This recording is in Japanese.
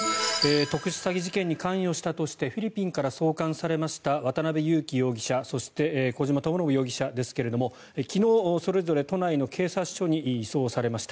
特殊詐欺事件に関与したとしてフィリピンから送還されました渡邉優樹容疑者そして小島智信容疑者ですが昨日、それぞれ都内の警察署に移送されました。